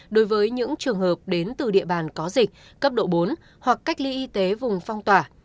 đối với những trường hợp đến từ địa bàn có dịch cấp độ bốn hoặc cách ly y tế vùng phong tỏa